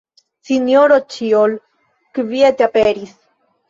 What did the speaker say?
Sinjoro Ĉiol kviete aperis.